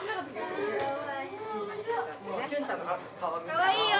・かわいいよ！